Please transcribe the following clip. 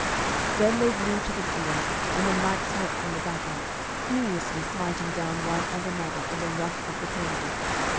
Then they blew to the field, and the knights met in the battle, furiously smiting down one and another in the rush of the tournament.